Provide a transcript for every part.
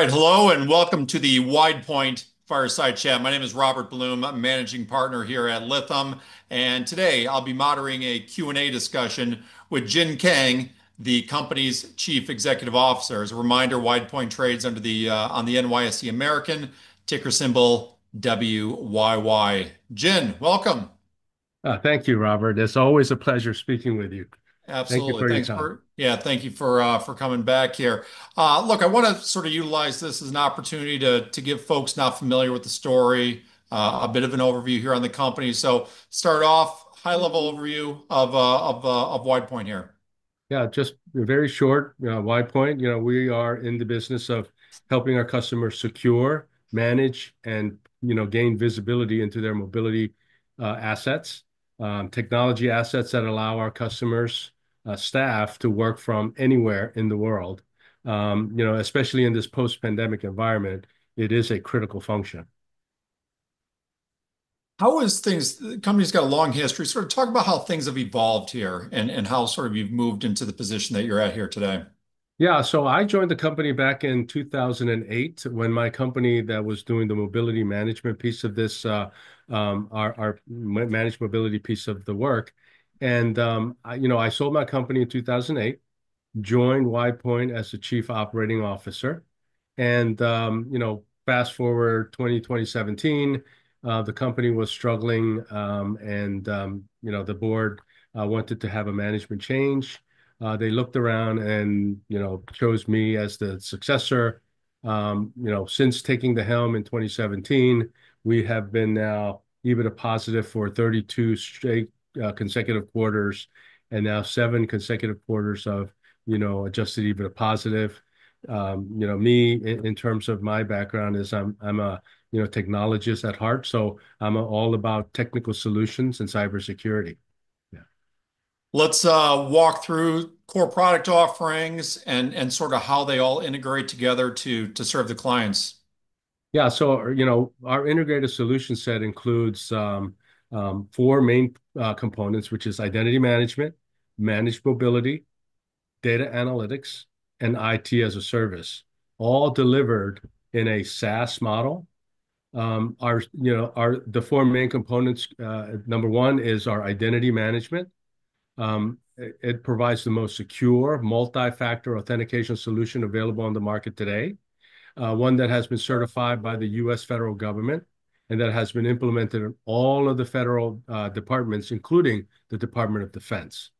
All right, hello and welcome to the WidePoint Fireside Chat. My name is Robert Blum, a Managing Partner here at Lytham, and today I'll be moderating a Q&A discussion with Jin Kang, the company's Chief Executive Officer. As a reminder, WidePoint trades under the NYSE American, ticker symbol WYY. Jin, welcome. Thank you, Robert. It's always a pleasure speaking with you. Absolutely. Thank you for your time. Thank you for coming back here. I want to sort of utilize this as an opportunity to give folks not familiar with the story a bit of an overview here on the company. Start off, high-level overview of WidePoint here. Yeah, just very short, WidePoint, you know, we are in the business of helping our customers secure, manage, and, you know, gain visibility into their mobility assets, technology assets that allow our customers, staff, to work from anywhere in the world. You know, especially in this post-pandemic environment, it is a critical function. How have things, the company's got a long history, sort of talk about how things have evolved here and how sort of you've moved into the position that you're at here today. Yeah, so I joined the company back in 2008 when my company that was doing the mobility management piece of this, our managed mobility piece of the work. I sold my company in 2008, joined WidePoint as the Chief Operating Officer. Fast forward to 2017, the company was struggling, and the board wanted to have a management change. They looked around and chose me as the successor. Since taking the helm in 2017, we have been now EBITDA positive for 32 straight consecutive quarters and now seven consecutive quarters of adjusted EBITDA positive. Me, in terms of my background, is I'm a technologist at heart, so I'm all about technical solutions and cybersecurity. Yeah. Let's walk through core product offerings and sort of how they all integrate together to serve the clients. Yeah, so, you know, our integrated solution set includes four main components, which are identity management, managed mobility, data analytics, and IT-as-a-Service, all delivered in a SaaS model. The four main components, number one is our identity management. It provides the most secure multi-factor authentication solution available on the market today, one that has been certified by the U.S. federal government and that has been implemented in all of the federal departments, including the Department of Defense.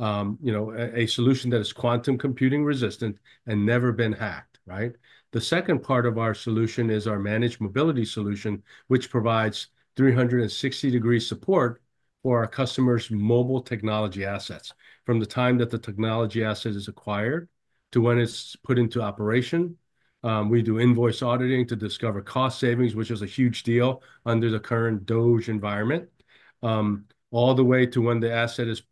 A solution that is quantum computing resistant and never been hacked, right? The second part of our solution is our managed mobility solution, which provides 360-degree support for our customers' mobile technology assets. From the time that the technology asset is acquired to when it's put into operation, we do invoice auditing to discover cost savings, which is a huge deal under the current DoD environment, all the way to when the asset is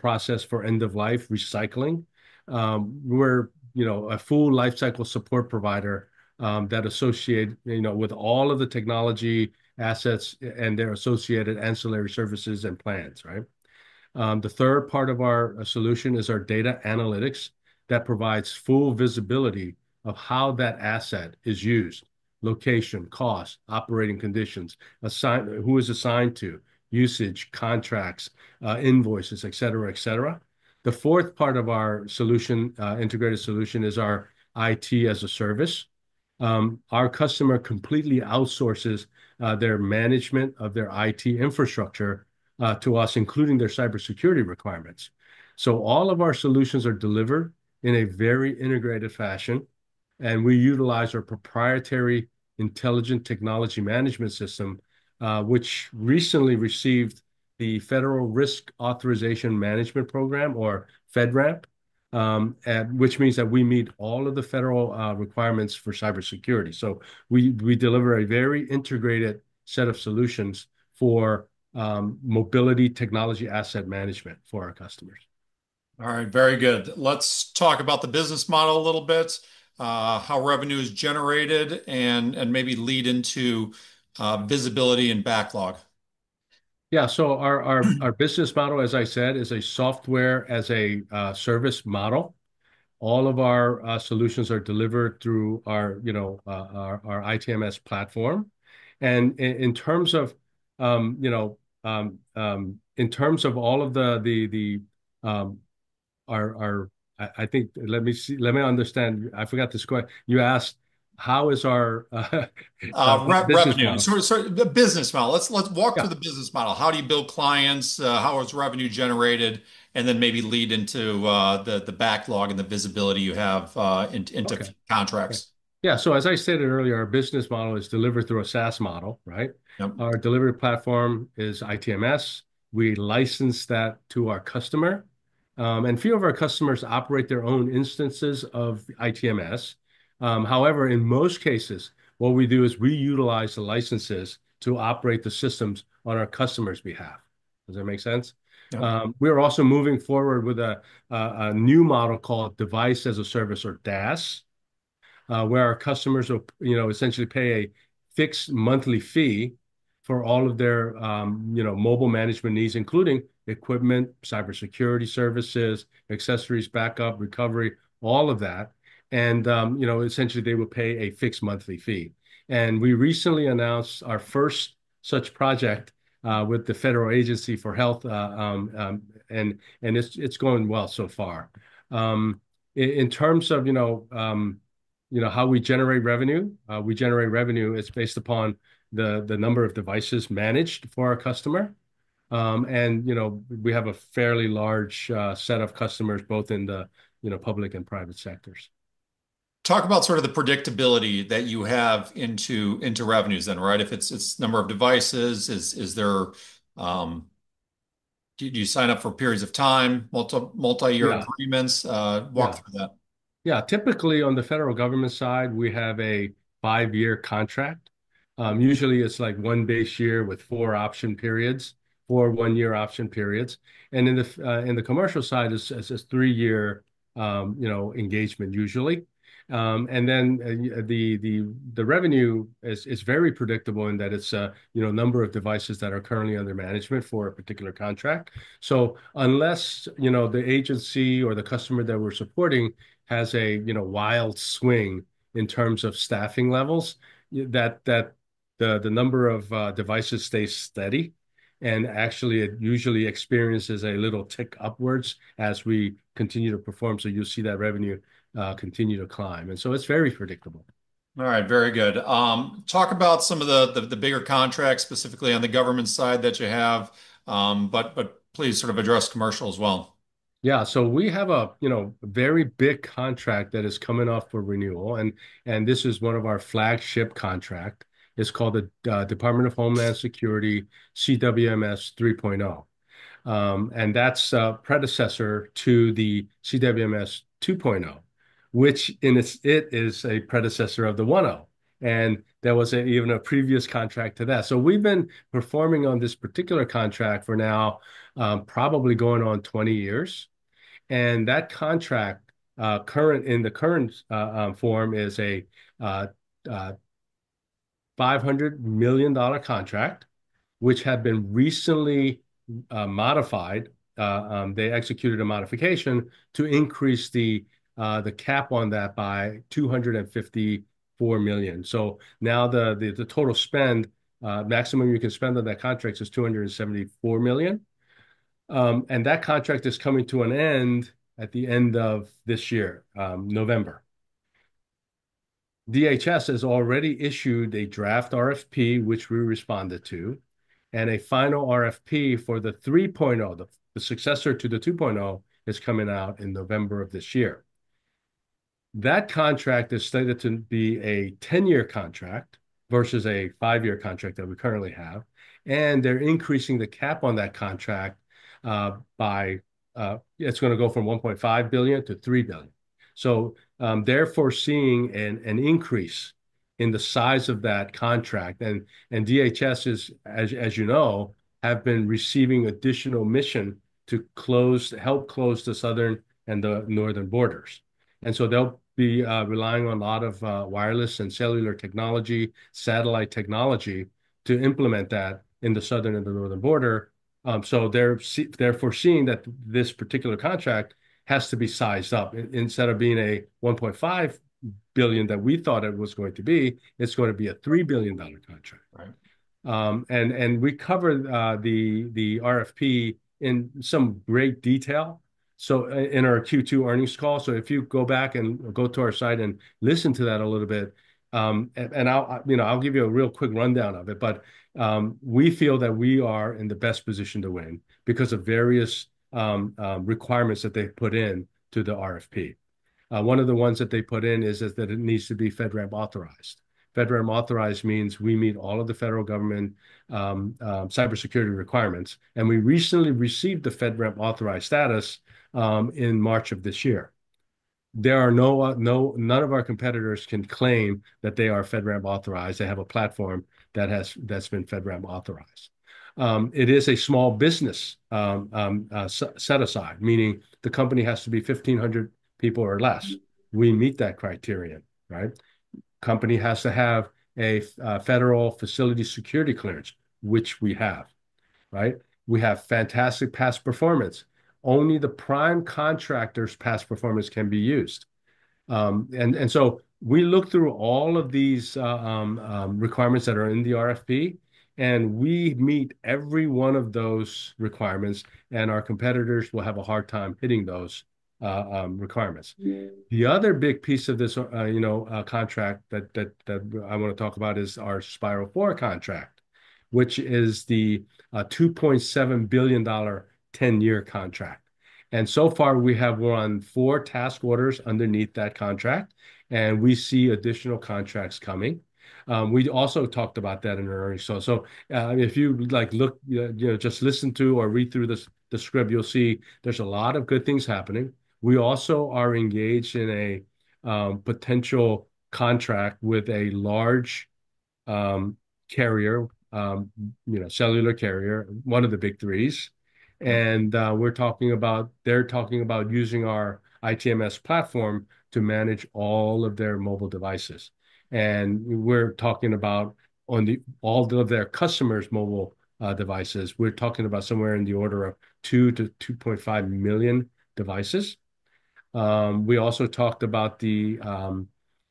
processed for end-of-life recycling. We're a full lifecycle support provider that associates with all of the technology assets and their associated ancillary services and plans, right? The third part of our solution is our data analytics that provides full visibility of how that asset is used, location, cost, operating conditions, assigned, who it is assigned to, usage, contracts, invoices, etc., etc. The fourth part of our solution, integrated solution, is our IT-as-a-Service. Our customer completely outsources their management of their IT infrastructure to us, including their cybersecurity requirements. All of our solutions are delivered in a very integrated fashion, and we utilize our proprietary Intelligent Technology Management System, which recently received the Federal Risk and Authorization Management Program, or FedRAMP, which means that we meet all of the federal requirements for cybersecurity. We deliver a very integrated set of solutions for mobility technology asset management for our customers. All right, very good. Let's talk about the business model a little bit, how revenue is generated, and maybe lead into visibility and backlog. Yeah, so our business model, as I said, is a Software-as-a-Service model. All of our solutions are delivered through our ITMS platform. In terms of all of our, I think, let me see, let me understand, I forgot this question. You asked, how is our revenue? The business model. Let's walk through the business model. How do you build clients? How is revenue generated? Maybe lead into the backlog and the visibility you have into contracts. Yeah, as I stated earlier, our business model is delivered through a SaaS model, right? Our delivery platform is ITMS. We license that to our customer. A few of our customers operate their own instances of ITMS. However, in most cases, we utilize the licenses to operate the systems on our customer's behalf. Does that make sense? We are also moving forward with a new model called Device-as-a-Service, or DaaS, where our customers will essentially pay a fixed monthly fee for all of their mobile management needs, including equipment, cybersecurity services, accessories, backup, recovery, all of that. Essentially, they will pay a fixed monthly fee. We recently announced our first such project with the Federal Agency for Health, and it's going well so far. In terms of how we generate revenue, we generate revenue based upon the number of devices managed for our customer. We have a fairly large set of customers both in the public and private sectors. Talk about sort of the predictability that you have into revenues then, right? If it's a number of devices, is there, do you sign up for periods of time, multi-year agreements? Walk through that. Yeah, typically on the federal government side, we have a five-year contract. Usually, it's like one base year with four option periods, four one-year option periods. On the commercial side, it's a three-year, you know, engagement usually. The revenue is very predictable in that it's a number of devices that are currently under management for a particular contract. Unless the agency or the customer that we're supporting has a wild swing in terms of staffing levels, the number of devices stays steady and actually it usually experiences a little tick upwards as we continue to perform. You'll see that revenue continue to climb. It's very predictable. All right, very good. Talk about some of the bigger contracts, specifically on the government side that you have, but please sort of address commercial as well. Yeah, so we have a very big contract that is coming up for renewal. This is one of our flagship contracts. It's called the Department of Homeland Security CWMS 3.0. That's a predecessor to the CWMS 2.0, which is a predecessor of the 1.0. There was even a previous contract to that. We've been performing on this particular contract for now, probably going on 20 years. That contract, in the current form, is a $500 million contract, which had been recently modified. They executed a modification to increase the cap on that by $254 million. Now the total spend, maximum you can spend on that contract, is $274 million. That contract is coming to an end at the end of this year, November. DHS has already issued a draft RFP, which we responded to, and a final RFP for the 3.0, the successor to the 2.0, is coming out in November of this year. That contract is slated to be a 10-year contract versus a 5-year contract that we currently have. They're increasing the cap on that contract by, it's going to go from $1.5 billion to $3 billion. They're foreseeing an increase in the size of that contract. DHS, as you know, has been receiving additional mission to help close the southern and the northern borders. They'll be relying on a lot of wireless and cellular technology, satellite technology to implement that in the southern and the northern border. They're foreseeing that this particular contract has to be sized up. Instead of being a $1.5 billion that we thought it was going to be, it's going to be a $3 billion contract. We covered the RFP in some great detail in our Q2 earnings call, so if you go back and go to our site and listen to that a little bit, I'll give you a real quick rundown of it. We feel that we are in the best position to win because of various requirements that they've put into the RFP. One of the ones that they put in is that it needs to be FedRAMP authorized. FedRAMP authorized means we meet all of the federal government cybersecurity requirements. We recently received the FedRAMP authorized status in March of this year. None of our competitors can claim that they are FedRAMP authorized. They have a platform that has been FedRAMP authorized. It is a small business set-aside, meaning the company has to be 1,500 people or less. We meet that criterion, right? The company has to have a federal facility security clearance, which we have, right? We have fantastic past performance. Only the prime contractor's past performance can be used. We look through all of these requirements that are in the RFP, and we meet every one of those requirements, and our competitors will have a hard time hitting those requirements. The other big piece of this contract that I want to talk about is our Spiral 4 contract, which is the $2.7 billion 10-year contract. So far, we have run four task orders underneath that contract, and we see additional contracts coming. We also talked about that in an earnings call. If you look, just listen to or read through the script, you'll see there's a lot of good things happening. We also are engaged in a potential contract with a large carrier, you know, cellular carrier, one of the big three. They're talking about using our ITMS platform to manage all of their mobile devices. We're talking about, on all of their customers' mobile devices, somewhere in the order of 2 million-2.5 million devices. We also talked about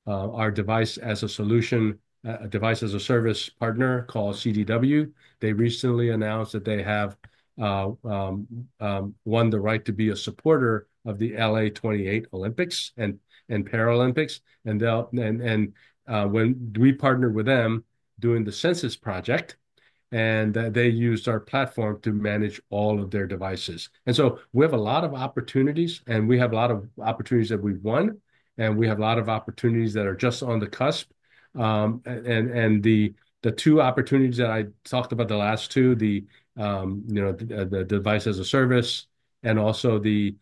our Device-as-a-Service partner called CDW. They recently announced that they have won the right to be a supporter of the LA28 Olympics and Paralympics. When we partnered with them during the Census Project, they used our platform to manage all of their devices. We have a lot of opportunities, and we have a lot of opportunities that we've won, and we have a lot of opportunities that are just on the cusp. The two opportunities that I talked about, the last two, the Device-as-a-Service, and also the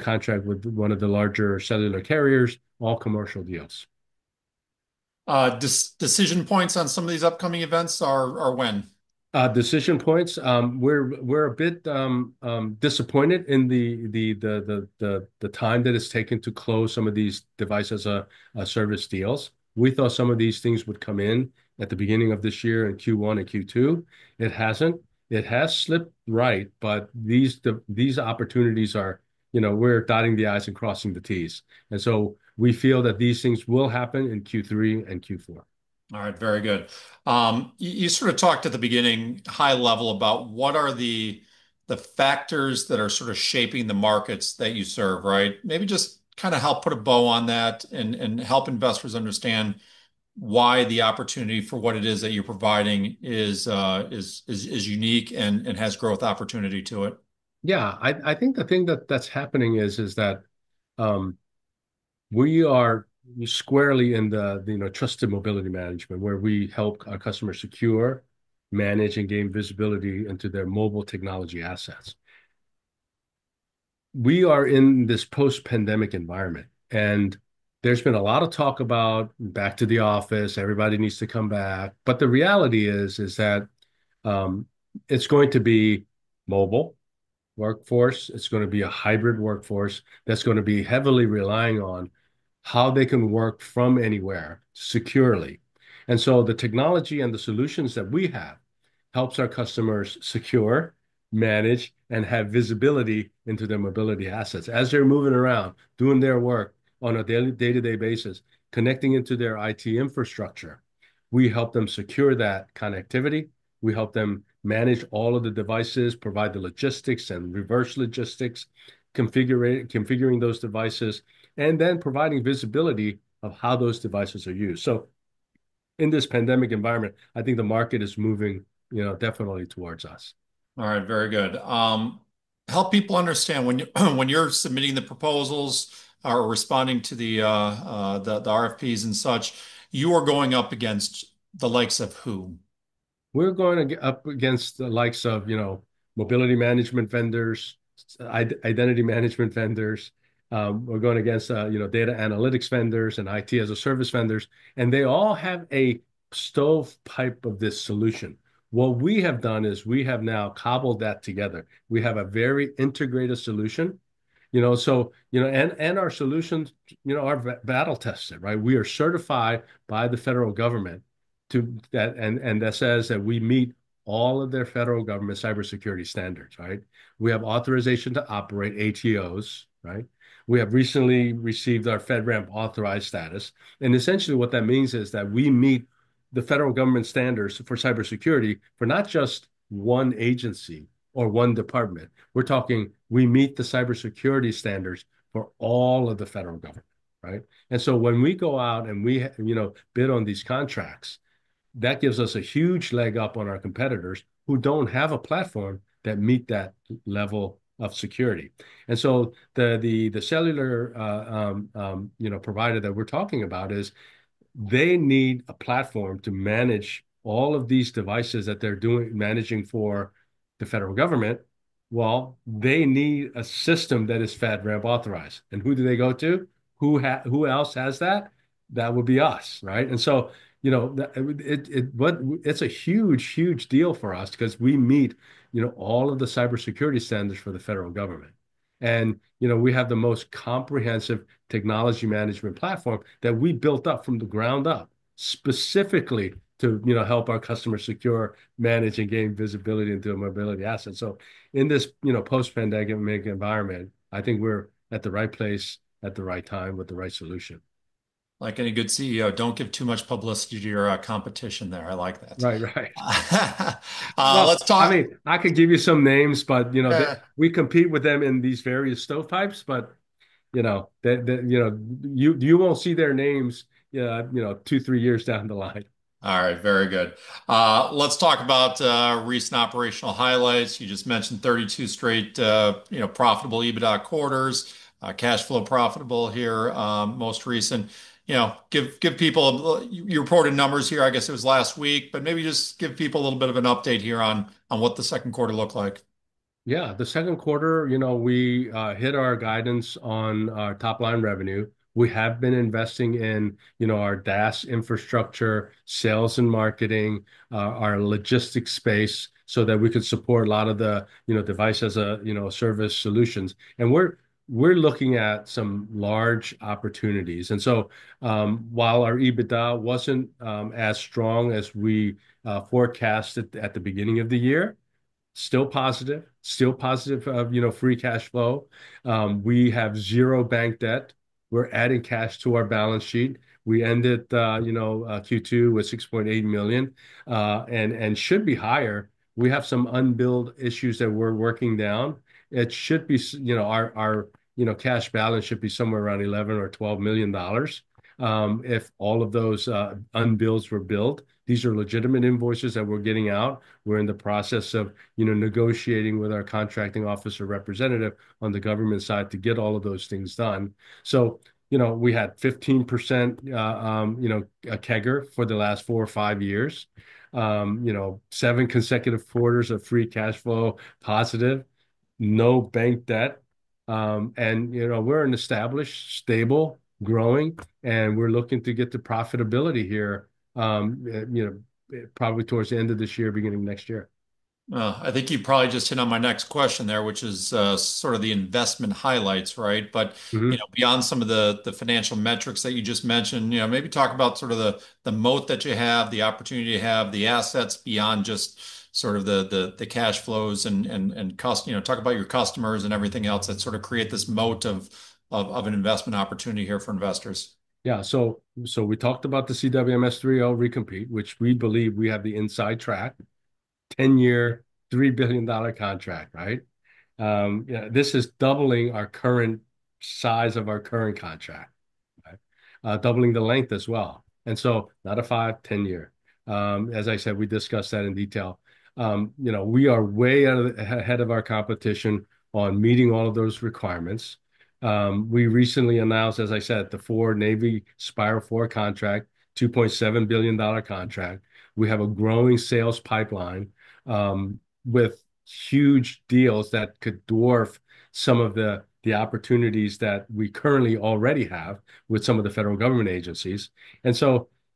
contract with one of the larger cellular carriers, all commercial deals. Decision points on some of these upcoming events are when? Decision points, we're a bit disappointed in the time that it's taken to close some of these Device-as-a-Service deals. We thought some of these things would come in at the beginning of this year in Q1 and Q2. It hasn't. It has slipped, but these opportunities are, you know, we're dotting the I's and crossing the T's. We feel that these things will happen in Q3 and Q4. All right, very good. You sort of talked at the beginning, high level, about what are the factors that are sort of shaping the markets that you serve, right? Maybe just kind of help put a bow on that and help investors understand why the opportunity for what it is that you're providing is unique and has growth opportunity to it. Yeah, I think the thing that's happening is that we are squarely in the trusted mobility management, where we help our customers secure, manage, and gain visibility into their mobile technology assets. We are in this post-pandemic environment, and there's been a lot of talk about back to the office, everybody needs to come back. The reality is that it's going to be mobile workforce. It's going to be a hybrid workforce that's going to be heavily relying on how they can work from anywhere securely. The technology and the solutions that we have help our customers secure, manage, and have visibility into their mobility assets. As they're moving around, doing their work on a day-to-day basis, connecting into their IT infrastructure, we help them secure that connectivity. We help them manage all of the devices, provide the logistics and reverse logistics, configuring those devices, and then providing visibility of how those devices are used. In this pandemic environment, I think the market is moving, you know, definitely towards us. All right, very good. Help people understand when you're submitting the proposals or responding to the RFPs and such, you are going up against the likes of who? We're going up against the likes of, you know, mobility management vendors, identity management vendors. We're going against, you know, data analytics vendors and IT-as-a-Service vendors. They all have a stovepipe of this solution. What we have done is we have now cobbled that together. We have a very integrated solution, you know, so, you know, and our solutions, you know, are battle-tested, right? We are certified by the federal government, and that says that we meet all of their federal government cybersecurity standards, right? We have authorization to operate, ATOs, right? We have recently received our FedRAMP authorized status. Essentially, what that means is that we meet the federal government standards for cybersecurity for not just one agency or one department. We're talking we meet the cybersecurity standards for all of the federal government, right? When we go out and we, you know, bid on these contracts, that gives us a huge leg up on our competitors who don't have a platform that meets that level of security. The cellular, you know, provider that we're talking about is they need a platform to manage all of these devices that they're doing, managing for the federal government. They need a system that is FedRAMP authorized. Who do they go to? Who else has that? That would be us, right? It's a huge, huge deal for us because we meet, you know, all of the cybersecurity standards for the federal government. We have the most comprehensive technology management platform that we built up from the ground up specifically to, you know, help our customers secure, manage, and gain visibility into a mobility asset. In this, you know, post-pandemic environment, I think we're at the right place at the right time with the right solution. Like any good CEO, don't give too much publicity to your competition there. I like that. Right, right. Let's talk. I could give you some names, but we compete with them in these various stovepipes, but you won't see their names two, three years down the line. All right, very good. Let's talk about recent operational highlights. You just mentioned 32 straight profitable EBITDA quarters, cash flow profitable here, most recent. Give people, you reported numbers here, I guess it was last week, but maybe just give people a little bit of an update here on what the second quarter looked like. Yeah, the second quarter, you know, we hit our guidance on top line revenue. We have been investing in, you know, our DaaS infrastructure, sales and marketing, our logistics space so that we could support a lot of the, you know, Device-as-a-Service solutions. We're looking at some large opportunities. While our EBITDA wasn't as strong as we forecasted at the beginning of the year, still positive, still positive of, you know, free cash flow. We have zero bank debt. We're adding cash to our balance sheet. We ended, you know, Q2 with $6.8 million, and should be higher. We have some unbilled issues that we're working down. It should be, you know, our, you know, cash balance should be somewhere around $11 or $12 million. If all of those unbilled were billed, these are legitimate invoices that we're getting out. We're in the process of, you know, negotiating with our contracting officer representative on the government side to get all of those things done. We had 15% CAGR for the last four or five years. Seven consecutive quarters of free cash flow, positive, no bank debt. We're an established, stable, growing, and we're looking to get to profitability here, you know, probably towards the end of this year, beginning next year. I think you probably just hit on my next question there, which is sort of the investment highlights, right? Beyond some of the financial metrics that you just mentioned, maybe talk about sort of the moat that you have, the opportunity you have, the assets beyond just sort of the cash flows, and talk about your customers and everything else that sort of create this moat of an investment opportunity here for investors. Yeah, so we talked about the CWMS 3.0 recompete, which we believe we have the inside track, 10-year, $3 billion contract, right? This is doubling our current size of our current contract, right? Doubling the length as well. Not a five, 10-year. As I said, we discussed that in detail. We are way ahead of our competition on meeting all of those requirements. We recently announced, as I said, the Navy Spiral 4 contract, $2.7 billion contract. We have a growing sales pipeline with huge deals that could dwarf some of the opportunities that we currently already have with some of the federal government agencies.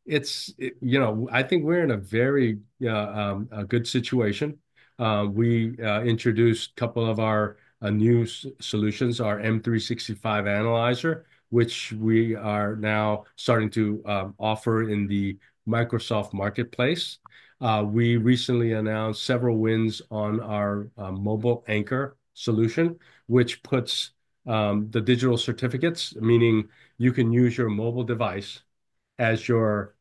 I think we're in a very good situation. We introduced a couple of our new solutions, our M365 Analyzer, which we are now starting to offer in the Microsoft marketplace. We recently announced several wins on our MobileAnchor solution, which puts the digital certificates, meaning you can use your mobile device as your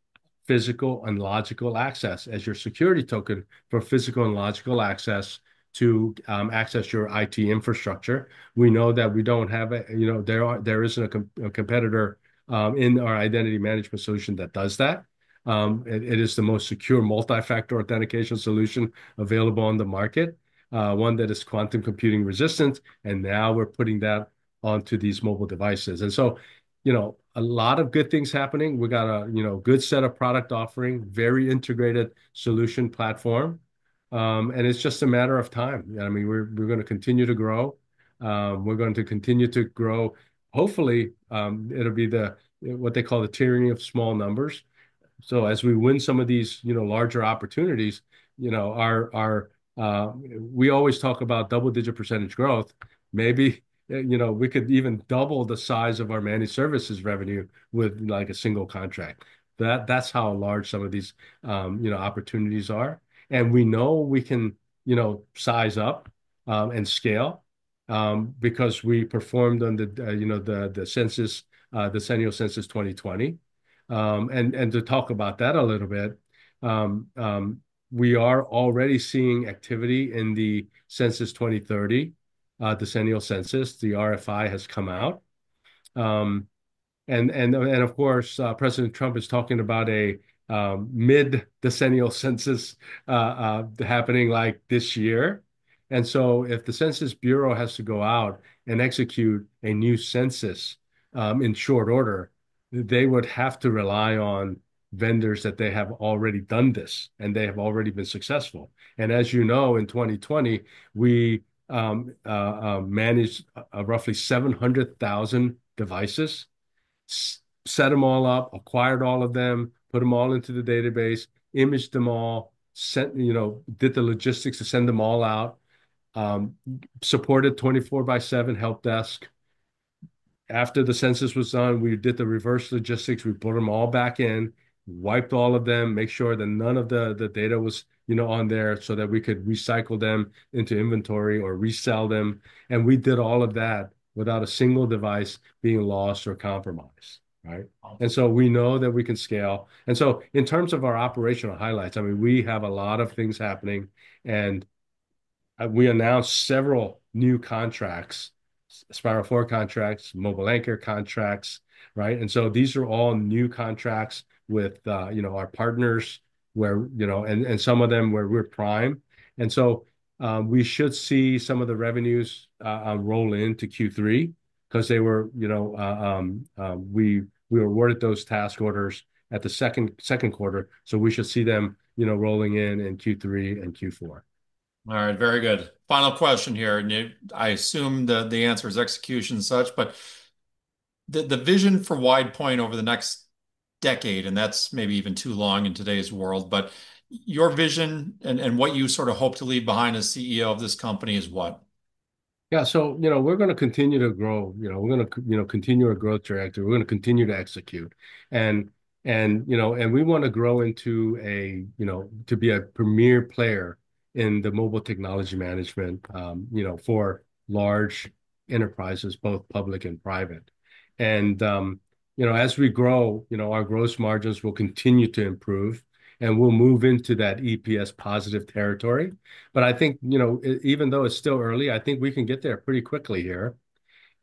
physical and logical access, as your security token for physical and logical access to access your IT infrastructure. We know that we don't have a, you know, there isn't a competitor in our identity management solution that does that. It is the most secure multi-factor authentication solution available on the market, one that is quantum computing resistant, and now we're putting that onto these mobile devices. A lot of good things happening. We got a good set of product offerings, very integrated solution platform, and it's just a matter of time. I mean, we're going to continue to grow. We're going to continue to grow. Hopefully, it'll be what they call the tiering of small numbers. As we win some of these larger opportunities, we always talk about double-digit percentage growth. Maybe we could even double the size of our managed services revenue with like a single contract. That's how large some of these opportunities are. We know we can size up and scale because we performed under the census, the Decennial Census 2020. To talk about that a little bit, we are already seeing activity in the Census 2030, Decennial Census. The RFI has come out. Of course, President Trump is talking about a mid-decennial census happening like this year. If the Census Bureau has to go out and execute a new census in short order, they would have to rely on vendors that have already done this, and they have already been successful. As you know, in 2020, we managed roughly 700,000 devices, set them all up, acquired all of them, put them all into the database, imaged them all, did the logistics to send them all out, supported 24x7 help desk. After the census was done, we did the reverse logistics. We put them all back in, wiped all of them, made sure that none of the data was on there so that we could recycle them into inventory or resell them. We did all of that without a single device being lost or compromised, right? We know that we can scale. In terms of our operational highlights, we have a lot of things happening, and we announced several new contracts, Spiral 4 contracts, MobileAnchor contracts, right? These are all new contracts with our partners, and some of them where we're prime. We should see some of the revenues roll into Q3 because we awarded those task orders at the second quarter. We should see them rolling in in Q3 and Q4. All right, very good. Final question here. I assume the answer is execution and such, but the vision for WidePoint over the next decade, and that's maybe even too long in today's world, but your vision and what you sort of hope to leave behind as CEO of this company is what? Yeah, we're going to continue to grow, we're going to continue our growth trajectory. We're going to continue to execute. We want to grow into a premier player in the mobile technology management for large enterprises, both public and private. As we grow, our gross margins will continue to improve, and we'll move into that EPS positive territory. I think, even though it's still early, I think we can get there pretty quickly here.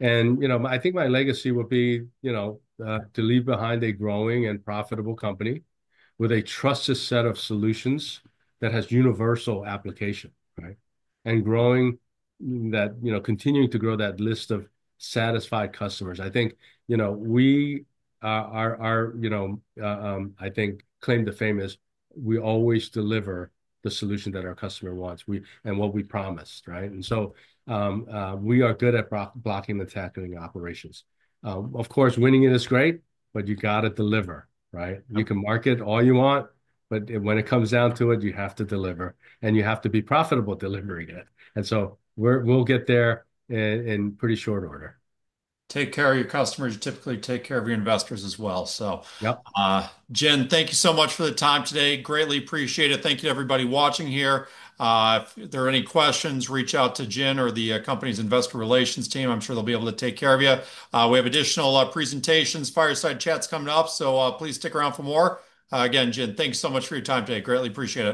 I think my legacy will be to leave behind a growing and profitable company with a trusted set of solutions that has universal application, right? Growing that, continuing to grow that list of satisfied customers. I think our claim to fame is we always deliver the solution that our customer wants and what we promised, right? We are good at blocking the tackling operations. Of course, winning it is great, but you got to deliver, right? You can market all you want, but when it comes down to it, you have to deliver, and you have to be profitable delivering it. We'll get there in pretty short order. Take care of your customers. You typically take care of your investors as well. Jin, thank you so much for the time today. Greatly appreciate it. Thank you, everybody watching here. If there are any questions, reach out to Jin or the company's investor relations team. I'm sure they'll be able to take care of you. We have additional presentations, fireside chats coming up, so please stick around for more. Again, Jin, thanks so much for your time today. Greatly appreciate it.